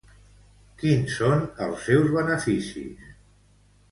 Quins són els seus beneficis?